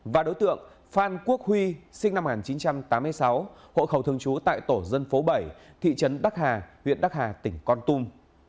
và đối tượng phan quốc huy sinh năm một nghìn chín trăm tám mươi sáu hộ khẩu thường trú tại tổ dân phố bảy thị trấn đắc hà huyện đắc hà tỉnh con tum